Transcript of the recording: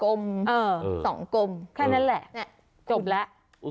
กลมสองกลมแค่นั้นแหละจบแล้ว